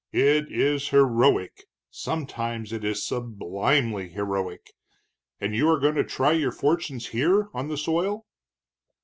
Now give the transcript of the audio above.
It is heroic, sometimes it is sublimely heroic. And you are going to try your fortunes here on the soil?"